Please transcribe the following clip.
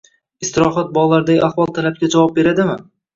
Istirohat bog‘laridagi ahvol talabga javob beradimi?